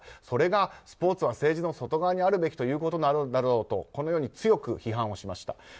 それがスポーツは政治の外側にあるべきということなのだろうとこのように強く批判しました。